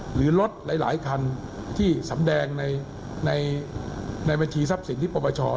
หรือรถหลายคันที่สำแดงในบัญชีทรัพย์สินที่ปรปช